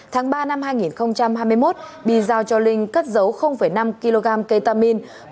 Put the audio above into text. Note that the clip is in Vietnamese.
tháng ba năm hai nghìn hai mươi một bi giao cho linh cất dấu năm kg cây tamin